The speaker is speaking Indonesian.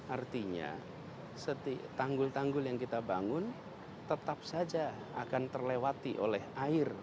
artinya tanggul tanggul yang kita bangun tetap saja akan terlewati oleh air